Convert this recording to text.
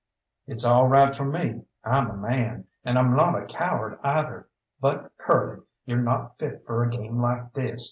"It's all right for me. I'm a man, and I'm not a coward, either. But, Curly, you're not fit for a game like this.